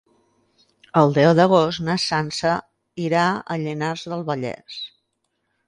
El deu d'agost na Sança irà a Llinars del Vallès.